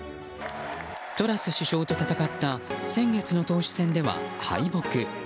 トラス首相と戦った先月の党首選では敗北。